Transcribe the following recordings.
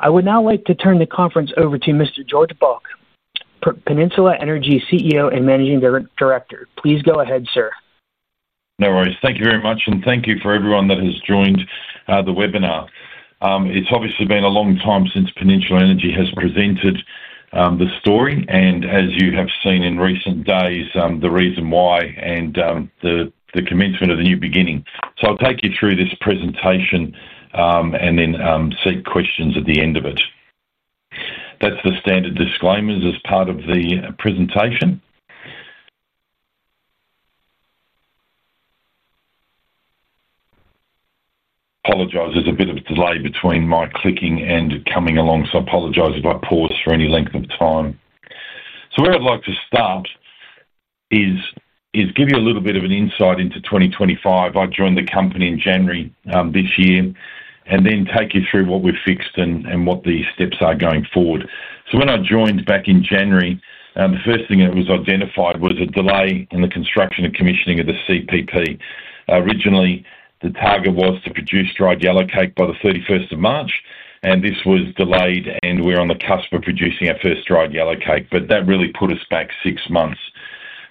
I would now like to turn the conference over to Mr. George Bauk, Peninsula Energy Ltd CEO and Managing Director. Please go ahead, sir. No worries. Thank you very much, and thank you for everyone that has joined the webinar. It's obviously been a long time since Peninsula Energy has presented the story, and as you have seen in recent days, the reason why and the commencement of the new beginning. I'll take you through this presentation, and then seek questions at the end of it. That's the standard disclaimers as part of the presentation. Apologize, there's a bit of a delay between my clicking and coming along, so I apologize if I pause for any length of time. Where I'd like to start is give you a little bit of an insight into 2025. I joined the company in January this year, and then take you through what we've fixed and what the steps are going forward. When I joined back in January, the first thing that was identified was a delay in the construction and commissioning of the CPP. Originally, the target was to produce dried yellowcake by the 31st of March, and this was delayed, and we're on the cusp of producing our first dried yellowcake, but that really put us back six months.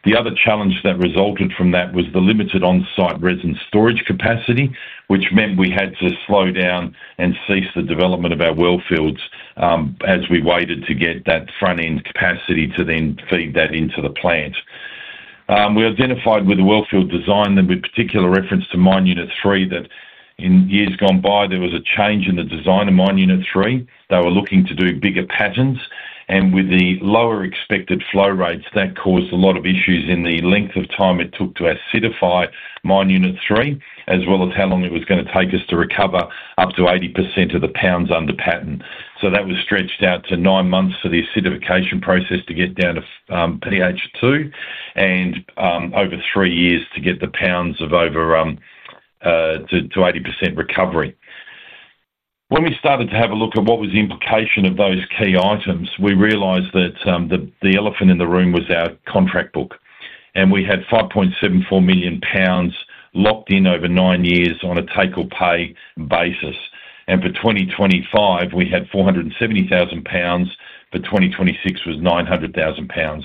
The other challenge that resulted from that was the limited on-site resin storage capacity, which meant we had to slow down and cease the development of our wellfields as we waited to get that front-end capacity to then feed that into the plant. We identified with the wellfield design that with particular reference to Mine Unit 3, that in years gone by, there was a change in the design of Mine Unit 3. They were looking to do bigger patterns, and with the lower expected flow rates, that caused a lot of issues in the length of time it took to acidify Mine Unit 3, as well as how long it was going to take us to recover up to 80% of the pounds under pattern. That was stretched out to nine months for the acidification process to get down to pH two and over three years to get the pounds of over to 80% recovery. When we started to have a look at what was the implication of those key items, we realized that the elephant in the room was our contract book, and we had 5.74 million lbs locked in over nine years on a take or pay basis. For 2025, we had 470,000 lbs, but 2026 was 900,000 lbs.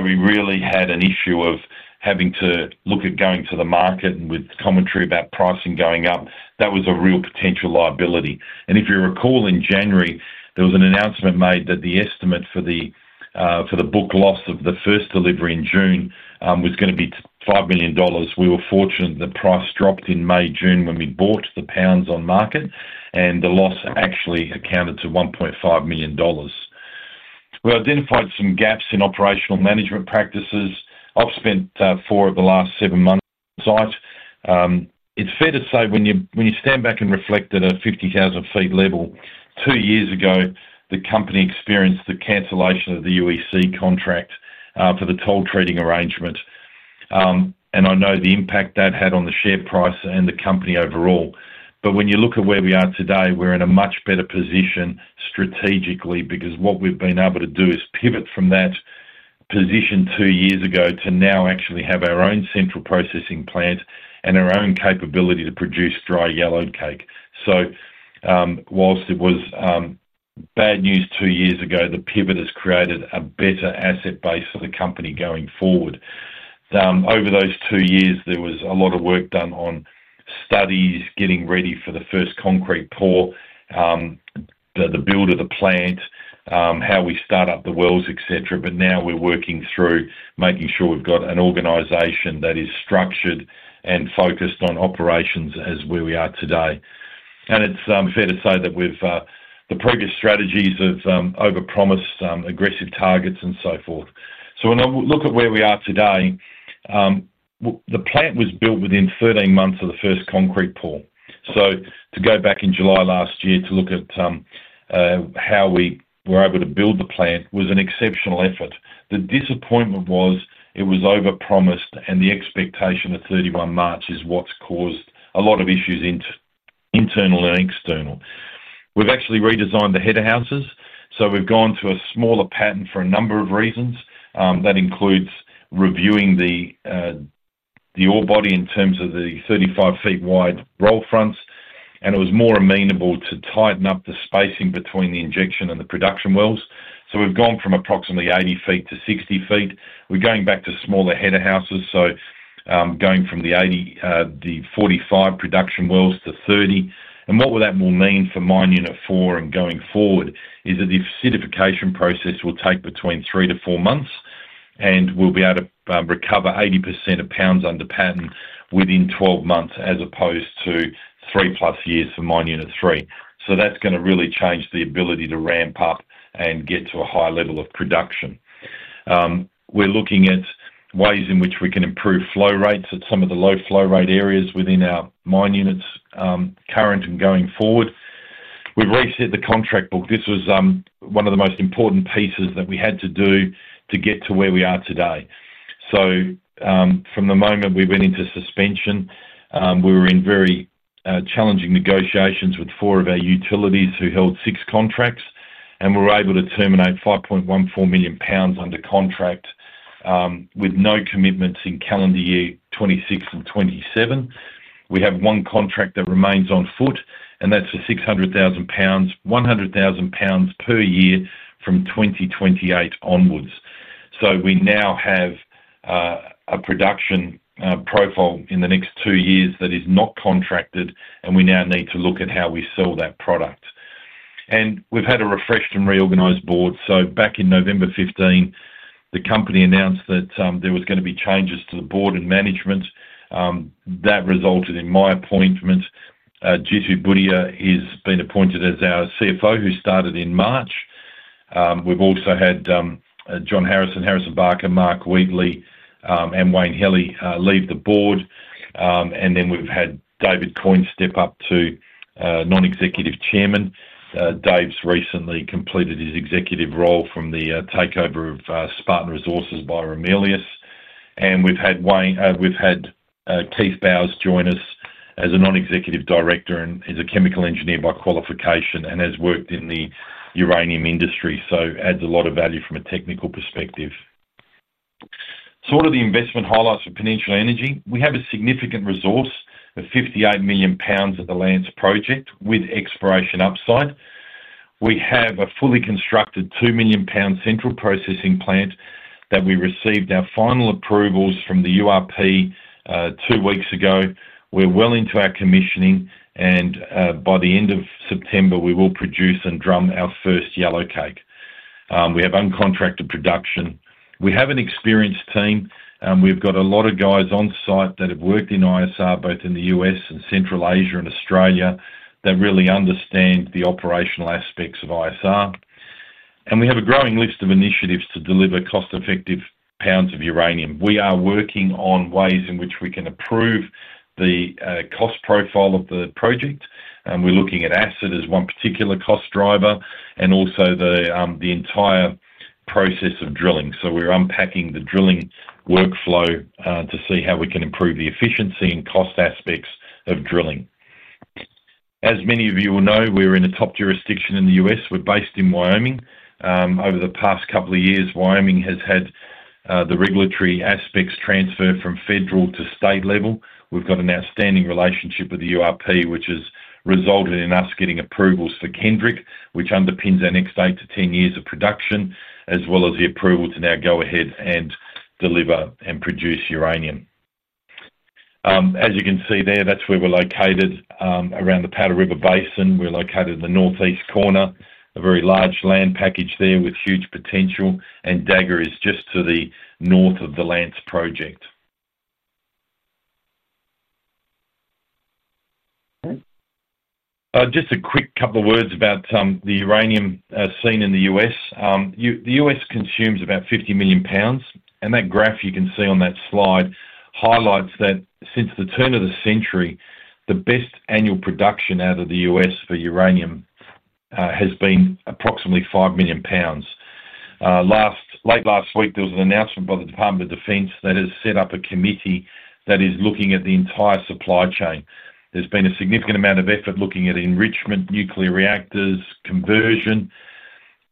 We really had an issue of having to look at going to the market, and with commentary about pricing going up, that was a real potential liability. If you recall, in January, there was an announcement made that the estimate for the book loss of the first delivery in June was going to be 5 million dollars. We were fortunate that the price dropped in May, June when we bought the pounds on market, and the loss actually accounted to 1.5 million dollars. We identified some gaps in operational management practices. I've spent four of the last seven months on site. It's fair to say when you stand back and reflect at a 50,000 ft level, two years ago, the company experienced the cancellation of the UEC contract for the toll trading arrangement. I know the impact that had on the share price and the company overall. When you look at where we are today, we're in a much better position strategically because what we've been able to do is pivot from that position two years ago to now actually have our own Central Processing Plant and our own capability to produce dried yellowcake. Whilst it was bad news two years ago, the pivot has created a better asset base for the company going forward. Over those two years, there was a lot of work done on studies, getting ready for the first concrete pour, the build of the plant, how we start up the wells, et cetera. Now we're working through making sure we've got an organization that is structured and focused on operations as where we are today. It's fair to say that the previous strategies of overpromised, aggressive targets and so forth. When I look at where we are today, the plant was built within 13 months of the first concrete pour. To go back in July last year to look at how we were able to build the plant was an exceptional effort. The disappointment was it was overpromised, and the expectation of 31 March is what's caused a lot of issues internal and external. We've actually redesigned the head houses. We've gone to a smaller pattern for a number of reasons. That includes reviewing the ore body in terms of the 35 ft wide roll fronts, and it was more amenable to tighten up the spacing between the injection and the production wells. We've gone from approximately 80 ft to 60 ft. We're going back to smaller head houses, going from the 80 ft, the 45 production wells to 30. What that will mean for Mine Unit 4 and going forward is that the acidification process will take between three to four months, and we'll be able to recover 80% of pounds under pattern within 12 months as opposed to 3+ years for Mine Unit 3. That's going to really change the ability to ramp up and get to a high level of production. We're looking at ways in which we can improve flow rates at some of the low flow rate areas within our mine units, current and going forward. We've reset the contract book. This was one of the most important pieces that we had to do to get to where we are today. From the moment we went into suspension, we were in very challenging negotiations with four of our utilities who held six contracts, and we were able to terminate 5.14 million lbs under contract, with no commitments in calendar year 2026 and 2027. We have one contract that remains on foot, and that's for 600,000 lbs, 100,000 lbs per year from 2028 onwards. We now have a production profile in the next two years that is not contracted, and we now need to look at how we sell that product. We've had a refreshed and reorganized board. Back in November 2015, the company announced that there was going to be changes to the board and management. That resulted in my appointment. Jitu Bhudia has been appointed as our CFO, who started in March. We've also had John Harrison, Harrison Barker, Mark Wheatley, and Wayne Heili leave the board. Then we've had Dave Coyne step up to Non-Executive Chairman. Dave's recently completed his executive role from the takeover of Spartan Resources by Romelius. We've had Keith Bowers join us as a Non-Executive Director and is a chemical engineer by qualification and has worked in the uranium industry, so adds a lot of value from a technical perspective. What are the investment highlights for Peninsula Energy? We have a significant resource of 58 million lbs at the Lance Project with exploration upside. We have a fully constructed 2 million lbs Central Processing Plant that we received our final approvals from the URP two weeks ago. We're well into our commissioning, and by the end of September, we will produce and drum our first yellowcake. We have uncontracted production. We have an experienced team. We've got a lot of guys on site that have worked in ISR, both in the U.S. and Central Asia and Australia, that really understand the operational aspects of ISR. We have a growing list of initiatives to deliver cost-effective pounds of uranium. We are working on ways in which we can improve the cost profile of the project. We're looking at acid as one particular cost driver and also the entire process of drilling. We're unpacking the drilling workflow to see how we can improve the efficiency and cost aspects of drilling. As many of you will know, we're in a top jurisdiction in the U.S. We're based in Wyoming. Over the past couple of years, Wyoming has had the regulatory aspects transferred from federal to state level. We've got an outstanding relationship with the URP, which has resulted in us getting approvals for Kendrick, which underpins our next eight to 10 years of production, as well as the approval to now go ahead and deliver and produce uranium. As you can see there, that's where we're located, around the Powder River Basin. We're located in the northeast corner, a very large land package there with huge potential, and Dagger is just to the north of the Lance Project. Just a quick couple of words about the uranium scene in the U.S. The U.S. consumes about 50 million lbs, and that graph you can see on that slide highlights that since the turn of the century, the best annual production out of the U.S. for uranium has been approximately 5 million lbs. Late last week, there was an announcement by the Department of Defense that has set up a committee that is looking at the entire supply chain. There's been a significant amount of effort looking at enrichment, nuclear reactors, conversion,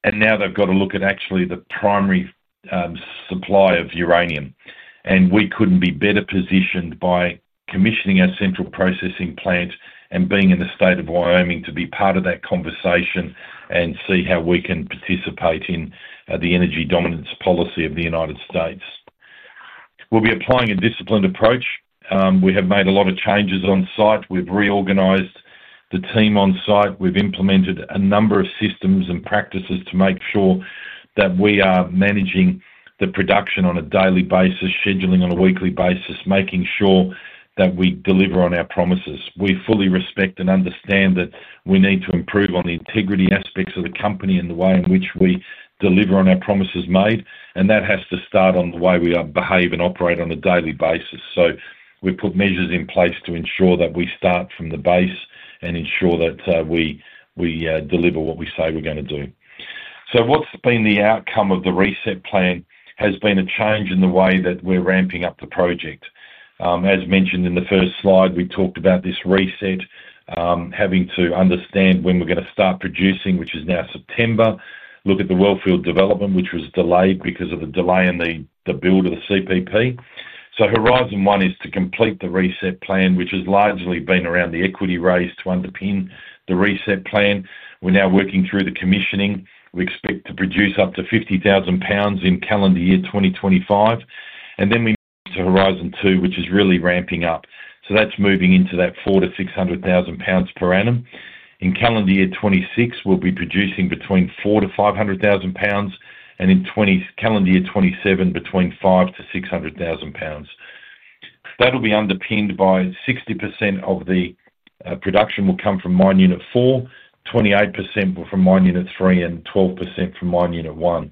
and now they've got to look at actually the primary supply of uranium. We couldn't be better positioned by commissioning our Central Processing Plant and being in the state of Wyoming to be part of that conversation and see how we can participate in the energy dominance policy of the United States. We'll be applying a disciplined approach. We have made a lot of changes on site. We've reorganized the team on site. We've implemented a number of systems and practices to make sure that we are managing the production on a daily basis, scheduling on a weekly basis, making sure that we deliver on our promises. We fully respect and understand that we need to improve on the integrity aspects of the company and the way in which we deliver on our promises made, and that has to start on the way we behave and operate on a daily basis. We put measures in place to ensure that we start from the base and ensure that we deliver what we say we're going to do. What's been the outcome of the reset plan has been a change in the way that we're ramping up the project. As mentioned in the first slide, we talked about this reset, having to understand when we're going to start producing, which is now September. Look at the wellfield development, which was delayed because of the delay in the build of the CPP. Horizon 1 is to complete the reset plan, which has largely been around the equity raise to underpin the reset plan. We're now working through the commissioning. We expect to produce up to 50,000 lbs in calendar year 2025. We move to Horizon 2, which is really ramping up. That's moving into that 400,000-600,000 lbs per annum. In calendar year 2026, we'll be producing between 400,000-500,000 lbs, and in calendar year 2027, between 500,000-600,000 lbs. That'll be underpinned by 60% of the production coming from Mine Unit 4, 28% from Mine Unit 3, and 12% from Mine Unit 1.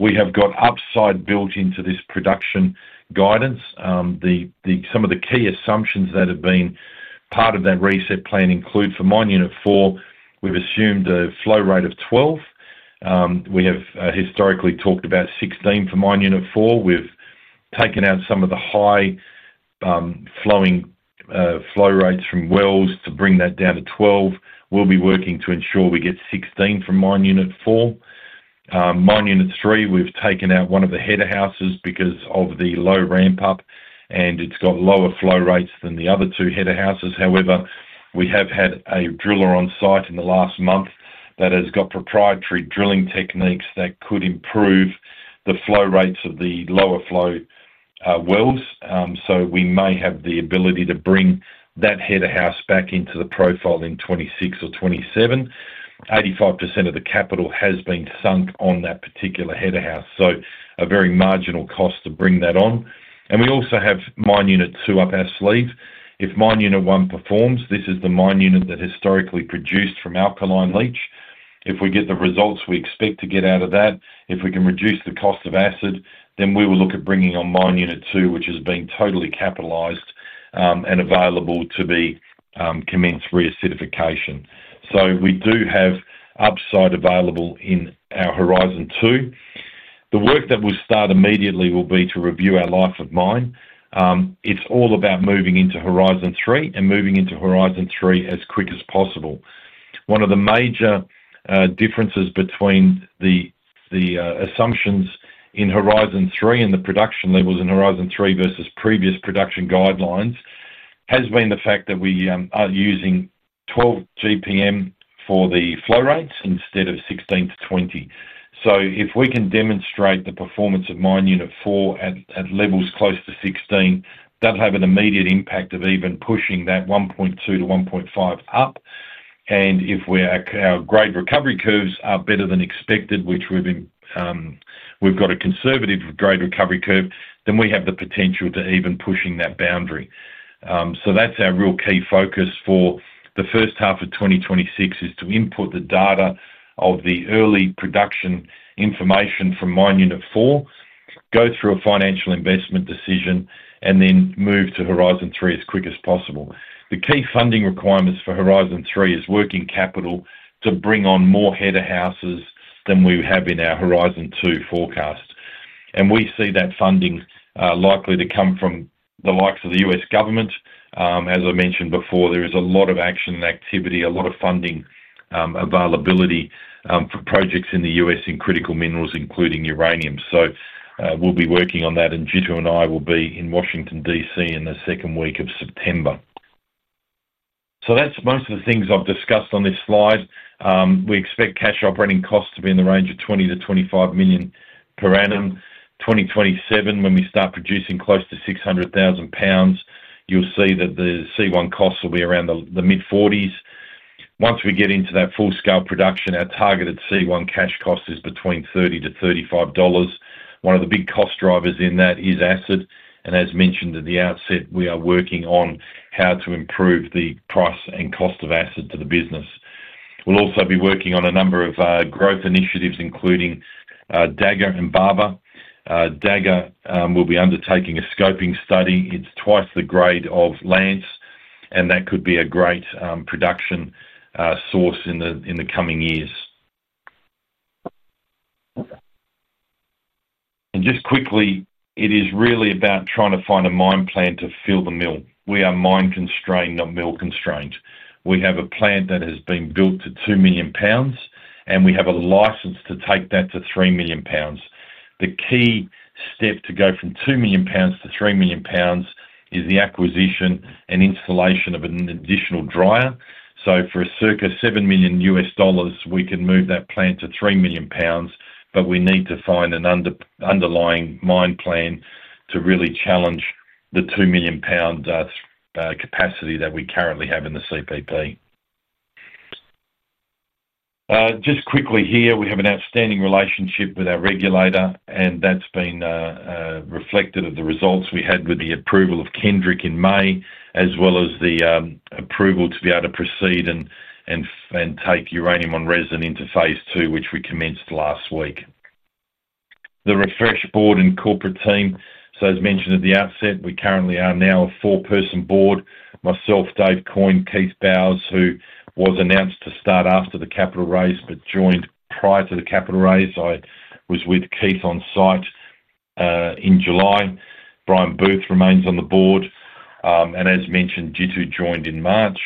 We have got upside built into this production guidance. Some of the key assumptions that have been part of that reset plan include for Mine Unit 4, we've assumed a flow rate of 12 GPM. We have historically talked about 16 GPM for Mine Unit 4. We've taken out some of the high-flowing flow rates from wells to bring that down to 12 GPM. We'll be working to ensure we get 16 GPM from Mine Unit 4. Mine Unit 3, we've taken out one of the head houses because of the low ramp up, and it's got lower flow rates than the other two head houses. However, we have had a driller on site in the last month that has got proprietary drilling techniques that could improve the flow rates of the lower flow wells. We may have the ability to bring that head house back into the profile in 2026 or 2027. 85% of the capital has been sunk on that particular head house, so a very marginal cost to bring that on. We also have Mine Unit 2 up our sleeve. If Mine Unit 1 performs, this is the mine unit that historically produced from alkaline leach. If we get the results we expect to get out of that, if we can reduce the cost of acid, then we will look at bringing on Mine Unit 2, which has been totally capitalized and available to be commenced re-acidification. We do have upside available in our Horizon 2. The work that we'll start immediately will be to review our life of mine. It's all about moving into Horizon 3 and moving into Horizon 3 as quick as possible. One of the major differences between the assumptions in Horizon 3 and the production levels in Horizon 3 versus previous production guidelines has been the fact that we are using 12 GPM for the flow rates instead of 16-20 GPM. If we can demonstrate the performance of Mine Unit 4 at levels close to 16 GPM, that'll have an immediate impact of even pushing that 1.2 million-1.5 million lbs up. If our grade recovery curves are better than expected, which we've been, we've got a conservative grade recovery curve, then we have the potential to even push that boundary. That's our real key focus for the first half of 2026, to input the data of the early production information from Mine Unit 4, go through a financial investment decision, and then move to Horizon 3 as quick as possible. The key funding requirements for Horizon 3 is working capital to bring on more Head Houses than we have in our Horizon 2 forecast. We see that funding likely to come from the likes of the U.S. government. As I mentioned before, there is a lot of action and activity, a lot of funding availability for projects in the U.S. in critical minerals, including uranium. We'll be working on that, and Jitu and I will be in Washington, D.C., in the second week of September. That's most of the things I've discussed on this slide. We expect cash operating costs to be in the range of 20 million-25 million per annum. In 2027, when we start producing close to 600,000 lbs, you'll see that the C1 costs will be around the mid-forties. Once we get into that full-scale production, our targeted C1 cash cost is between $30-$35. One of the big cost drivers in that is acid. As mentioned at the outset, we are working on how to improve the price and cost of acid to the business. We'll also be working on a number of growth initiatives, including Dagger and Barber. Dagger will be undertaking a scoping study. It's twice the grade of Lance, and that could be a great production source in the coming years. It is really about trying to find a mine plan to fill the mill. We are mine constrained, not mill constrained. We have a plant that has been built to 2 million lbs, and we have a license to take that to 3 million lbs. The key step to go from 2 million lbs to 3 million lbs is the acquisition and installation of an additional dryer. For a circa $7 million, we can move that plant to 3 million lbs, but we need to find an underlying mine plan to really challenge the 2 million lbs capacity that we currently have in the CPP. We have an outstanding relationship with our regulator, and that's been reflected in the results we had with the approval of Kendrick in May, as well as the approval to be able to proceed and take uranium on resin into phase II, which we commenced last week. The refreshed board and corporate team, as mentioned at the outset, we currently are now a four-person board: myself, Dave Coyne, Keith Bowes, who was announced to start after the capital raise but joined prior to the capital raise. I was with Keith on site in July. Brian Booth remains on the board, and as mentioned, Jitu joined in March.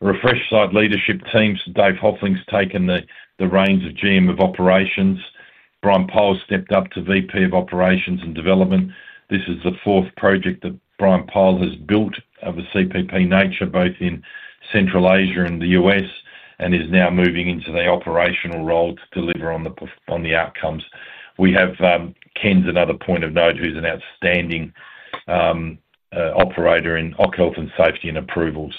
Refreshed site leadership teams, Dave Hofeling's taken the reins of GM of Operations. Brian Powell stepped up to VP of Operations and Development. This is the fourth project that Brian Powell has built of a CPP nature, both in Central Asia and the U.S., and is now moving into the operational role to deliver on the outcomes. Ken's another point of note, who's an outstanding operator in occupation and safety and approvals.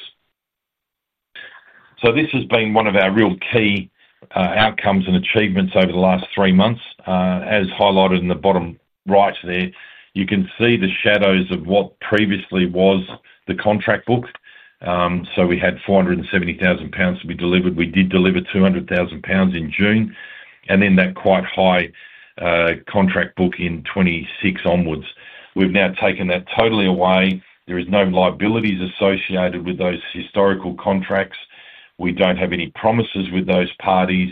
This has been one of our real key outcomes and achievements over the last three months. As highlighted in the bottom right there, you can see the shadows of what previously was the contract book. We had 470,000 lbs to be delivered. We did deliver 200,000 lbs in June, and then that quite high contract book in 2026 onwards. We've now taken that totally away. There are no liabilities associated with those historical contracts. We don't have any promises with those parties.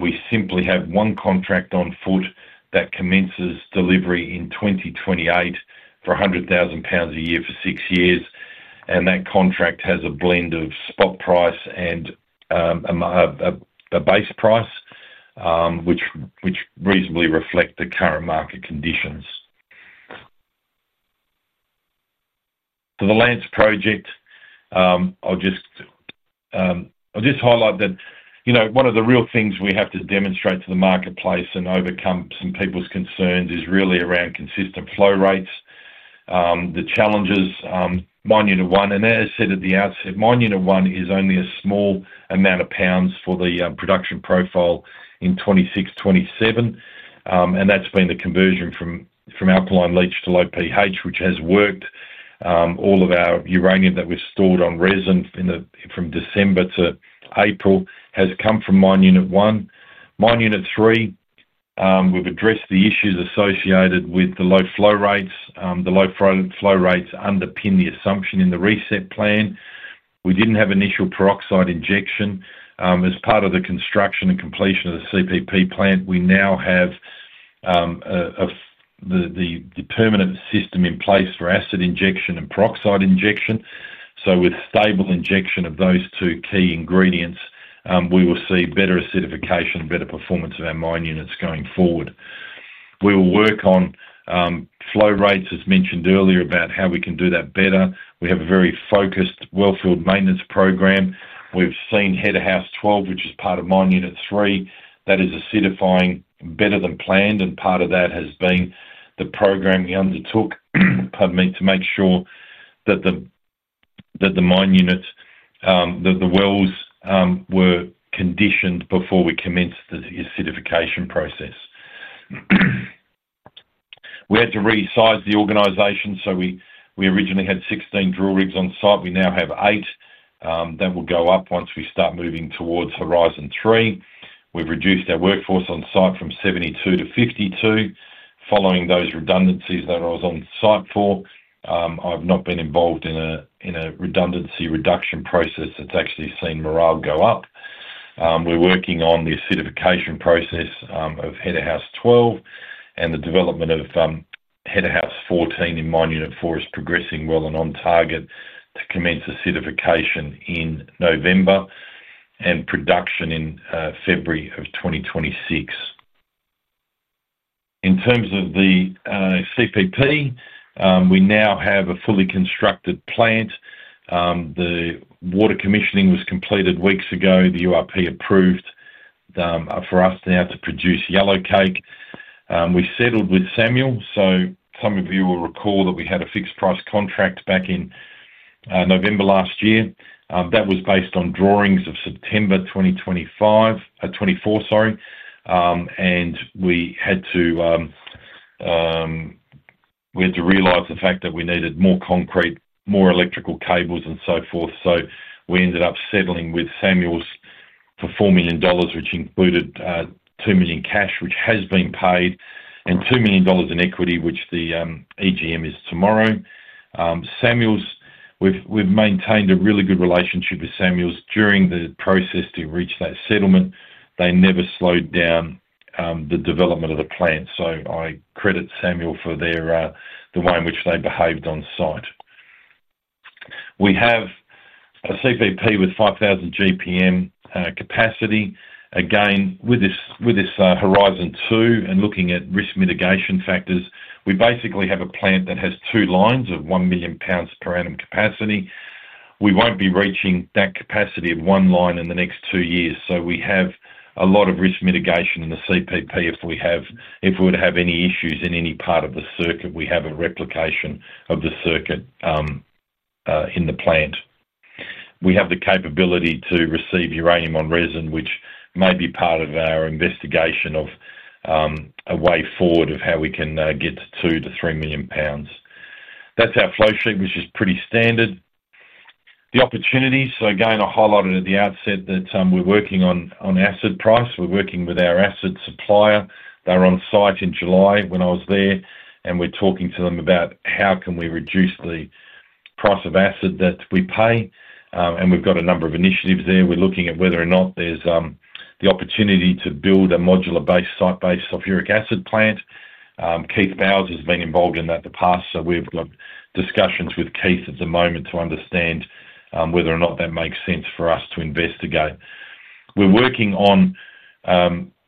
We simply have one contract on foot that commences delivery in 2028 for 100,000 lbs a year for six years. That contract has a blend of spot price and a base price, which reasonably reflect the current market conditions. For the Lance Project, I'll just highlight that one of the real things we have to demonstrate to the marketplace and overcome some people's concerns is really around consistent flow rates. The challenges, Mine Unit 1, and as I said at the outset, Mine Unit 1 is only a small amount of pounds for the production profile in 2026, 2027, and that's been the conversion from alkaline leach to low pH, which has worked. All of our uranium that was stored on resin from December to April has come from Mine Unit 1. Mine Unit 3, we've addressed the issues associated with the low flow rates. The low flow rates underpin the assumption in the reset plan. We didn't have initial peroxide injection. As part of the construction and completion of the CPP plant, we now have the permanent system in place for acid injection and peroxide injection. With stable injection of those two key ingredients, we will see better acidification and better performance of our mine units going forward. We will work on flow rates, as mentioned earlier, about how we can do that better. We have a very focused wellfield maintenance program. We've seen Header House 12, which is part of Mine Unit 3, that is acidifying better than planned, and part of that has been the program he undertook, pardon me, to make sure that the mine units, that the wells, were conditioned before we commenced the acidification process. We had to resize the organization. We originally had 16 drill rigs on site. We now have eight. That will go up once we start moving towards Horizon 3. We've reduced our workforce on site from 72 to 52. Following those redundancies that I was on site for, I've not been involved in a redundancy reduction process that's actually seen morale go up. We're working on the acidification process of Header House 12, and the development of Header House 14 in Mine Unit 4 is progressing well and on target to commence acidification in November and production in February of 2026. In terms of the CPP, we now have a fully constructed plant. The water commissioning was completed weeks ago. The URP approved for us now to produce yellowcake. We settled with Samuels. Some of you will recall that we had a fixed-price contract back in November last year. That was based on drawings of September 2024, sorry. We had to realize the fact that we needed more concrete, more electrical cables, and so forth. We ended up settling with Samuels for 4 million dollars, which included 2 million cash, which has been paid, and 2 million dollars in equity, which the EGM is tomorrow. Samuels, we've maintained a really good relationship with Samuels during the process to reach that settlement. They never slowed down the development of the plant. I credit Samuels for the way in which they behaved on site. We have a CPP with 5,000 GPM capacity. With this, Horizon 2 and looking at risk mitigation factors, we basically have a plant that has two lines of 1 million lbs per annum capacity. We won't be reaching that capacity of one line in the next two years. We have a lot of risk mitigation in the CPP if we would have any issues in any part of the circuit. We have a replication of the circuit in the plant. We have the capability to receive uranium on resin, which may be part of our investigation of a way forward of how we can get to 2 million-3 million lbs. That's our flow sheet, which is pretty standard. The opportunities, I highlighted at the outset that we're working on asset price. We're working with our asset supplier. They're on site in July when I was there, and we're talking to them about how can we reduce the price of asset that we pay. We've got a number of initiatives there. We're looking at whether or not there's the opportunity to build a modular-based site-based sulfuric acid plant. Keith Bowers has been involved in that in the past. We've got discussions with Keith at the moment to understand whether or not that makes sense for us to investigate. We're working on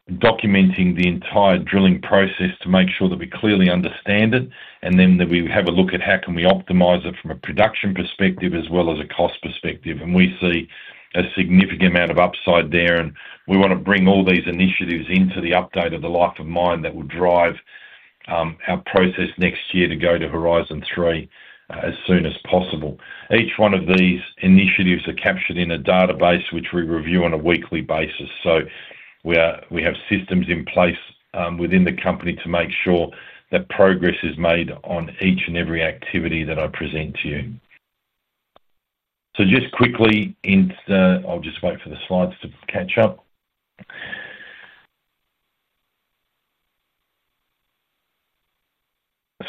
documenting the entire drilling process to make sure that we clearly understand it, and then that we have a look at how can we optimize it from a production perspective as well as a cost perspective. We see a significant amount of upside there, and we want to bring all these initiatives into the update of the life of mine that will drive our process next year to go to Horizon 3 as soon as possible. Each one of these initiatives are captured in a database, which we review on a weekly basis. We have systems in place within the company to make sure that progress is made on each and every activity that I present to you.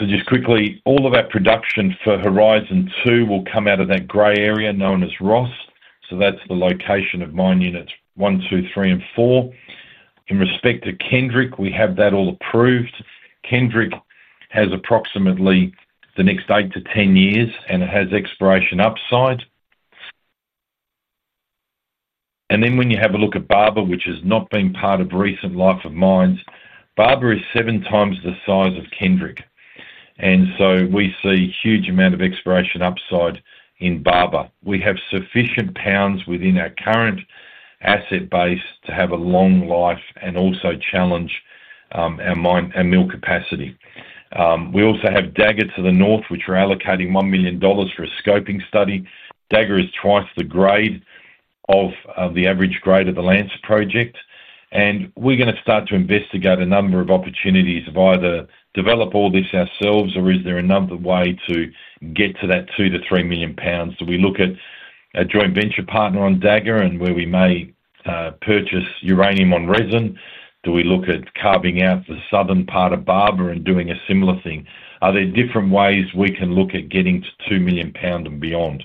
Just quickly, all of our production for Horizon 2 will come out of that gray area known as ROST. That's the location of mine units one, two, three, and four. In respect to Kendrick, we have that all approved. Kendrick has approximately the next eight to 10 years, and it has exploration upside. When you have a look at Barber, which has not been part of recent life of mines, Barber is 7x the size of Kendrick. We see a huge amount of exploration upside in Barber. We have sufficient lbs within our current asset base to have a long life and also challenge our mine and mill capacity. We also have Dagger to the North, which we are allocating 1 million dollars for a scoping study. Dagger is twice the grade of the average grade of the Lance Project. We're going to start to investigate a number of opportunities of either develop all this ourselves, or is there another way to get to that 2 million-3 million lbs? Do we look at a joint venture partner on Dagger and where we may purchase uranium on resin? Do we look at carving out the southern part of Barber and doing a similar thing? Are there different ways we can look at getting to 2 million lbs and beyond?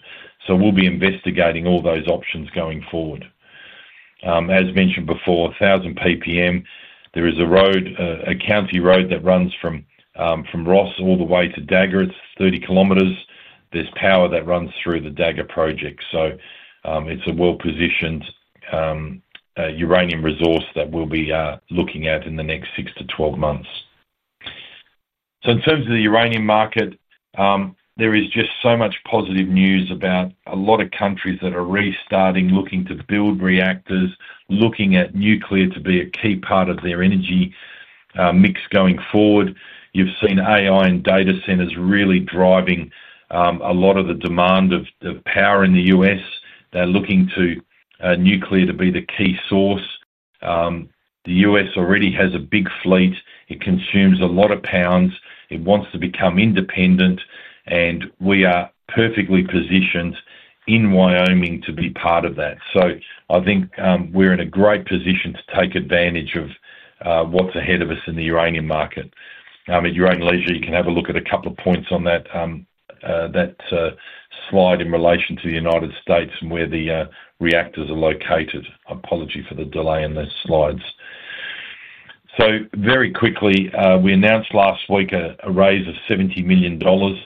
We'll be investigating all those options going forward. As mentioned before, 1,000 PPM, there is a road, a county road that runs from Ross all the way to Dagger. It's 30 km. There's power that runs through the Dagger project. It's a well-positioned uranium resource that we'll be looking at in the next six to 12 months. In terms of the uranium market, there is just so much positive news about a lot of countries that are restarting, looking to build reactors, looking at nuclear to be a key part of their energy mix going forward. You've seen AI and data centers really driving a lot of the demand of the power in the U.S. They're looking to nuclear to be the key source. The U.S. already has a big fleet. It consumes a lot of pounds. It wants to become independent, and we are perfectly positioned in Wyoming to be part of that. I think we're in a great position to take advantage of what's ahead of us in the uranium market. At your own leisure, you can have a look at a couple of points on that slide in relation to the United States and where the reactors are located. Apology for the delay in those slides. Very quickly, we announced last week a raise of 70 million dollars.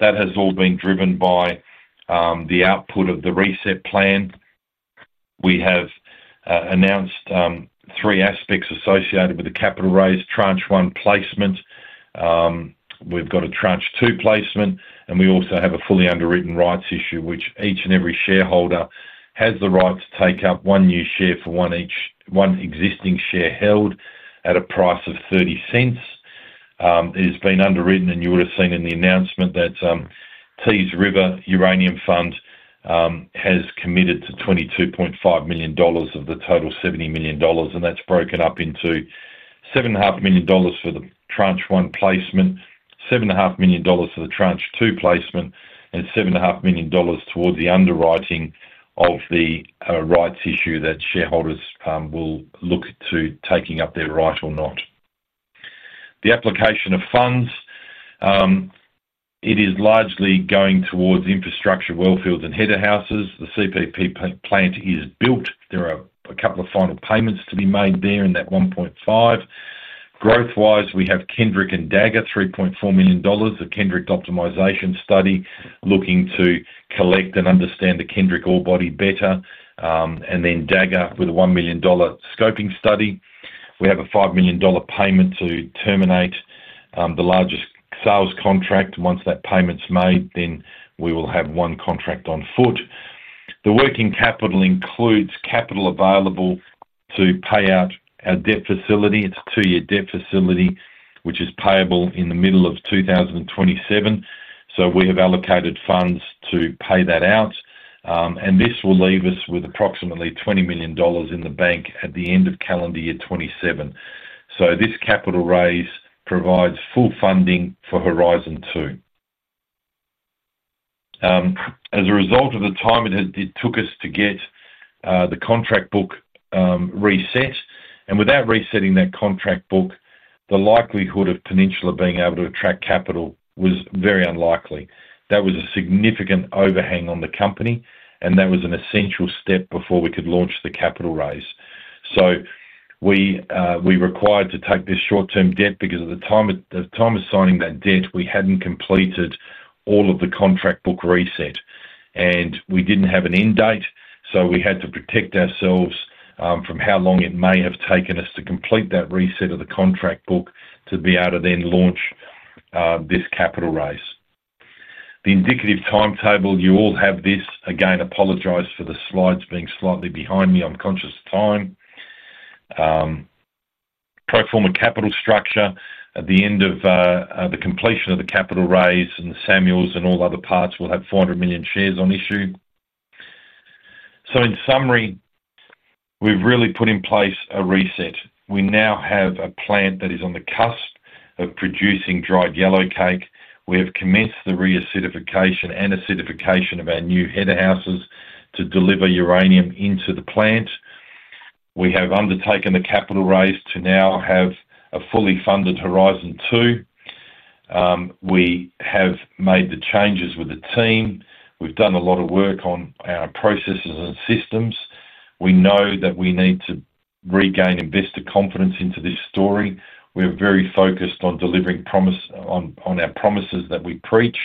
That has all been driven by the output of the reset plan. We have announced three aspects associated with the capital raise: Tranche 1 placement, we've got a Tranche 2 placement, and we also have a fully underwritten rights issue, which each and every shareholder has the right to take up one new share for each one existing share held at a price of 0.30. It has been underwritten, and you would have seen in the announcement that Tees River Uranium Fund has committed to 22.5 million dollars of the total 70 million dollars, and that's broken up into 7.5 million dollars for the Tranche 1 placement, 7.5 million dollars for the Tranche 2 placement, and 7.5 million dollars towards the underwriting of the rights issue that shareholders will look to taking up their right or not. The application of funds is largely going towards infrastructure, wellfields, and header houses. The CPP plant is built. There are a couple of final payments to be made there in that 1.5 million. Growth-wise, we have Kendrick and Dagger, 3.4 million dollars, a Kendrick optimization study looking to collect and understand the Kendrick ore body better, and then Dagger with a 1 million dollar scoping study. We have a 5 million dollar payment to terminate the largest sales contract. Once that payment's made, then we will have one contract on foot. The working capital includes capital available to pay out our debt facility. It's a two-year debt facility, which is payable in the middle of 2027. We have allocated funds to pay that out, and this will leave us with approximately 20 million dollars in the bank at the end of calendar year 2027. This capital raise provides full funding for Horizon 2. As a result of the time it took us to get the contract book reset, and without resetting that contract book, the likelihood of Peninsula being able to attract capital was very unlikely. That was a significant overhang on the company, and that was an essential step before we could launch the capital raise. We required to take this short-term debt because at the time of signing that debt, we hadn't completed all of the contract book reset, and we didn't have an end date. We had to protect ourselves from how long it may have taken us to complete that reset of the contract book to be able to then launch this capital raise. The indicative timetable, you all have this. Again, apologize for the slides being slightly behind me. I'm conscious of time. Pro forma capital structure at the end of the completion of the capital raise, and the Samuels and all other parts will have 400 million shares on issue. In summary, we've really put in place a reset. We now have a plant that is on the cusp of producing dried yellowcake. We have commenced the re-acidification and acidification of our new header houses to deliver uranium into the plant. We have undertaken the capital raise to now have a fully funded Horizon 2. We have made the changes with the team. We've done a lot of work on our processes and systems. We know that we need to regain investor confidence into this story. We are very focused on delivering on our promises that we preach.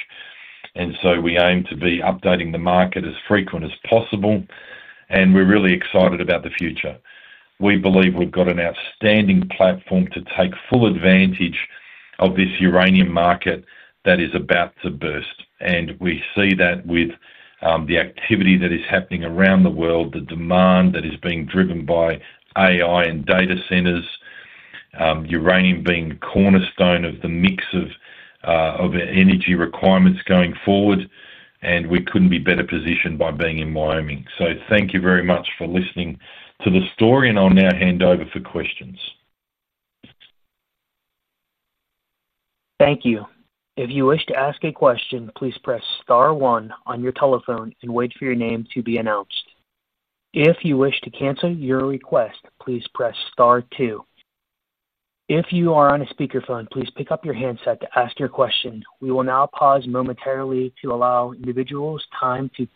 We aim to be updating the market as frequent as possible. We're really excited about the future. We believe we've got an outstanding platform to take full advantage of this uranium market that is about to burst. We see that with the activity that is happening around the world, the demand that is being driven by AI and data centers, uranium being the cornerstone of the mix of our energy requirements going forward. We couldn't be better positioned by being in Wyoming. Thank you very much for listening to the story, and I'll now hand over for questions. Thank you. If you wish to ask a question, please press star one on your telephone and wait for your name to be announced. If you wish to cancel your request, please press star two. If you are on a speakerphone, please pick up your handset to ask your question. We will now pause momentarily to allow individuals time to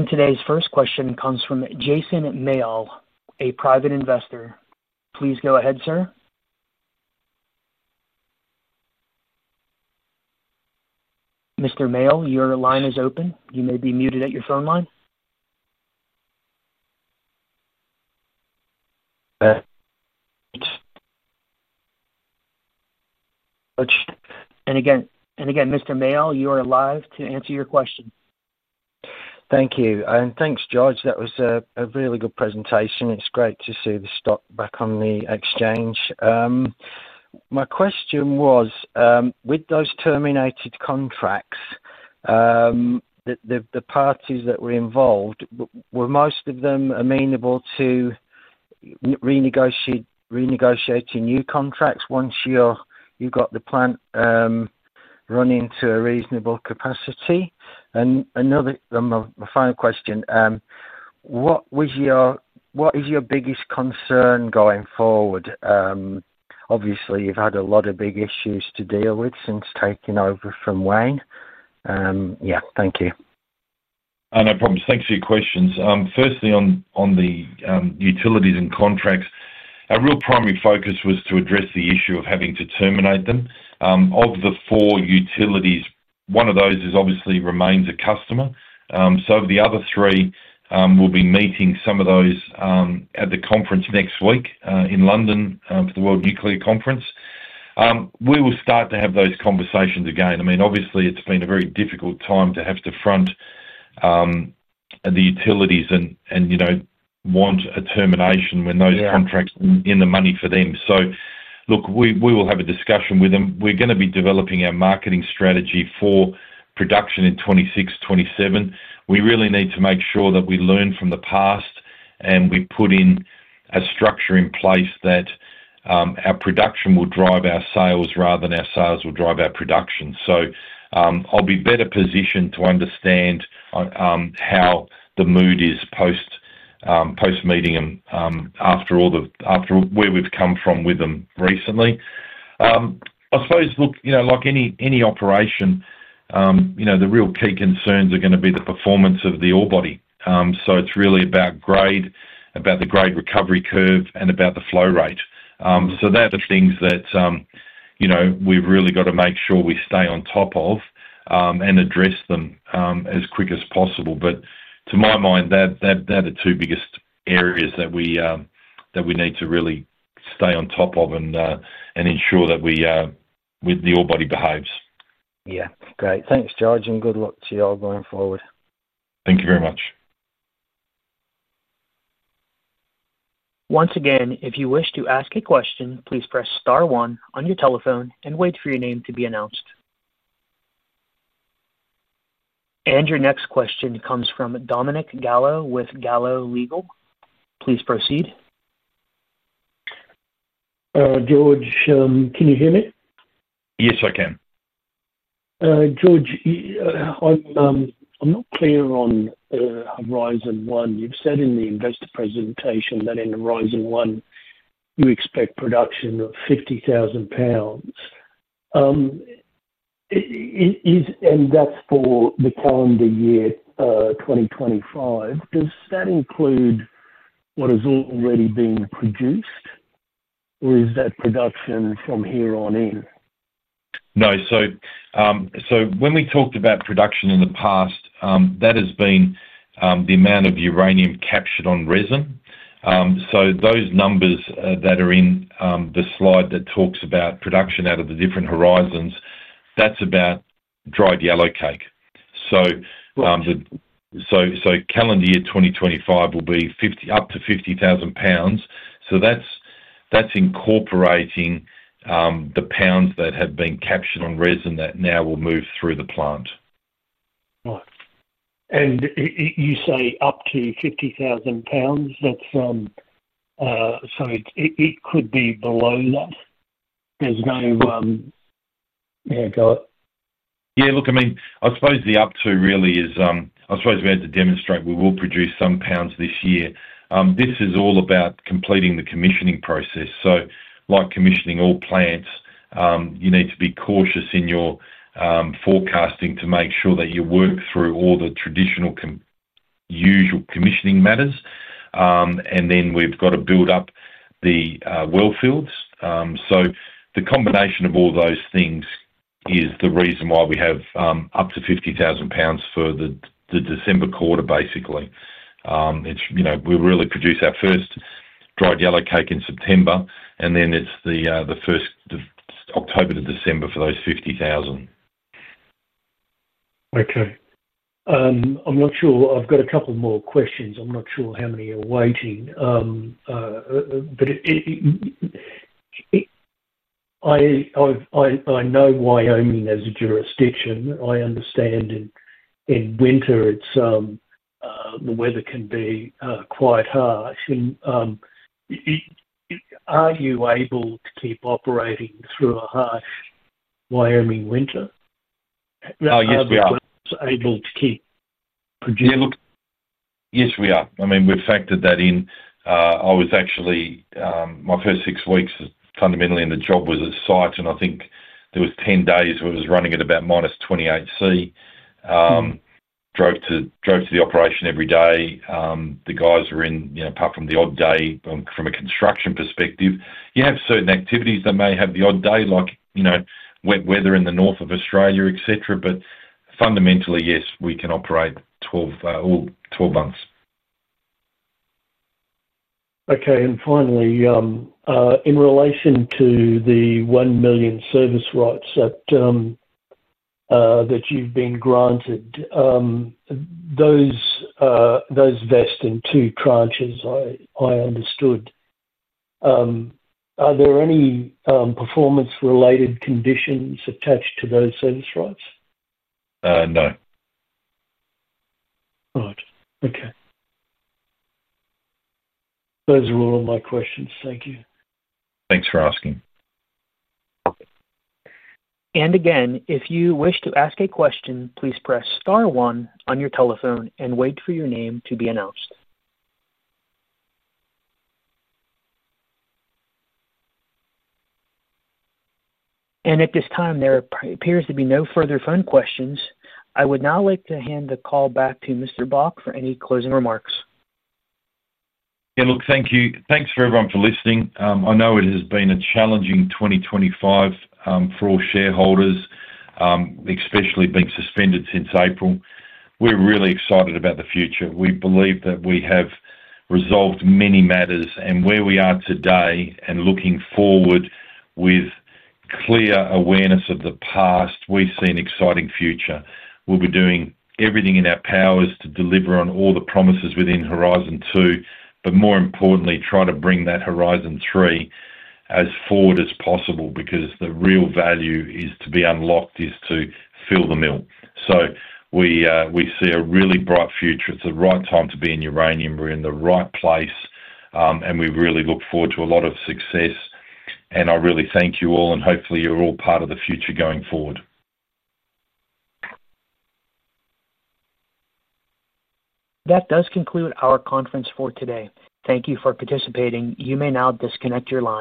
queue. Today's first question comes from Jason Mayall, a private investor. Please go ahead, sir. Mr. Mayall, your line is open. You may be muted at your phone line. Mr. Mayall, you are live to answer your question. Thank you. Thanks, George. That was a really good presentation. It's great to see the stock back on the exchange. My question was, with those terminated contracts, the parties that were involved, were most of them amenable to renegotiating new contracts once you've got the plant running to a reasonable capacity? Another, my final question, what was your biggest concern going forward? Obviously, you've had a lot of big issues to deal with since taking over from Wayne. Yeah, thank you. Yeah, no problems. Thanks for your questions. Firstly, on the utilities and contracts, our real primary focus was to address the issue of having to terminate them. Of the four utilities, one of those obviously remains a customer. The other three, we will be meeting some of those at the conference next week in London for the World Nuclear Conference. We will start to have those conversations again. I mean, obviously, it's been a very difficult time to have to front the utilities and want a termination when those contracts are in the money for them. Look, we will have a discussion with them. We're going to be developing our marketing strategy for production in 2026, 2027. We really need to make sure that we learn from the past and we put a structure in place that our production will drive our sales rather than our sales will drive our production. I'll be better positioned to understand how the mood is post meeting and after where we've come from with them recently. I suppose, like any operation, the real key concerns are going to be the performance of the ore body. It's really about grade, about the grade recovery curve, and about the flow rate. Those are things that we've really got to make sure we stay on top of and address them as quick as possible. To my mind, those are two biggest areas that we need to really stay on top of and ensure that the ore body behaves. Yeah. Great, thanks, George, and good luck to you all going forward. Thank you very much. Once again, if you wish to ask a question, please press star one on your telephone and wait for your name to be announced. Your next question comes from Dominic Gallo with Gallo Legal. Please proceed. George, can you hear me? Yes, I can. George, I'm not clear on Horizon 1. You've said in the investor presentation that in Horizon 1, you expect production of 50,000 lbs, and that's for the calendar year 2025. Does that include what has already been produced, or is that production from here on in? When we talked about production in the past, that has been the amount of uranium captured on resin. Those numbers that are in the slide that talks about production out of the different horizons, that's about dried yellowcake. Calendar year 2025 will be up to 50,000 lbs. That's incorporating the pounds that had been captured on resin that now will move through the plant. Nice. You say up to 50,000 lbs, that's from, so it could be below that. There's no, yeah, go ahead. Yeah, look, I mean, I suppose the up to really is, I suppose we had to demonstrate we will produce some pounds this year. This is all about completing the commissioning process. Like commissioning all plants, you need to be cautious in your forecasting to make sure that you work through all the traditional usual commissioning matters. We've got to build up the wellfields. The combination of all those things is the reason why we have up to 50,000 lbs for the December quarter, basically. It's, you know, we really produce our first dried yellowcake in September, and then it's the first of October to December for those 50,000 lbs. Okay. I'm not sure. I've got a couple more questions. I'm not sure how many are waiting. I know Wyoming as a jurisdiction. I understand in winter, it's, the weather can be quite harsh. Are you able to keep operating through a harsh Wyoming winter? Oh, yes, we are. Are you able to keep producing? Yeah, look, yes, we are. I mean, we've factored that in. My first six weeks fundamentally in the job was at site, and I think there were 10 days where it was running at about -28°C. I drove to the operation every day. The guys were in, you know, apart from the odd day. From a construction perspective, you have certain activities that may have the odd day, like, you know, wet weather in the north of Australia, etc. Fundamentally, yes, we can operate all 12 months. Okay. Finally, in relation to the 1 million service rights that you've been granted, those vest in two tranches. I understood. Are there any performance-related conditions attached to those service rights? No. All right. Okay, those are all of my questions. Thank you. Thanks for asking. If you wish to ask a question, please press star one on your telephone and wait for your name to be announced. At this time, there appears to be no further phone questions. I would now like to hand the call back to Mr. Bauk for any closing remarks. Yeah, look, thank you. Thanks for everyone for listening. I know it has been a challenging 2025 for all shareholders, especially being suspended since April. We're really excited about the future. We believe that we have resolved many matters, and where we are today and looking forward with clear awareness of the past, we see an exciting future. We'll be doing everything in our powers to deliver on all the promises within Horizon 2, but more importantly, try to bring that Horizon 3 as forward as possible because the real value to be unlocked is to fill the mill. We see a really bright future. It's the right time to be in uranium. We're in the right place, and we really look forward to a lot of success. I really thank you all, and hopefully, you're all part of the future going forward. That does conclude our conference for today. Thank you for participating. You may now disconnect your line.